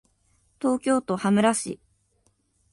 東京都羽村市